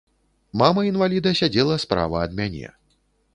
Мама інваліда сядзела справа ад мяне.